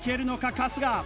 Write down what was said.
春日。